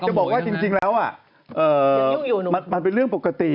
จะบอกว่าจริงแล้วมันเป็นเรื่องปกติ